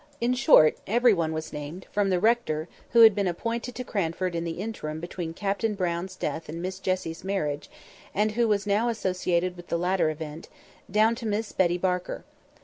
In short, every one was named, from the rector—who had been appointed to Cranford in the interim between Captain Brown's death and Miss Jessie's marriage, and was now associated with the latter event—down to Miss Betty Barker.